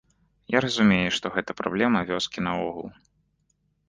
Я разумею, што гэта праблема вёскі наогул.